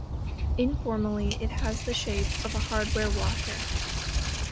Informally, it has the shape of a hardware washer.